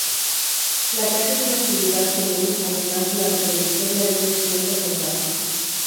La caza es una actividad común además de la recolección de algunas plantas salvajes.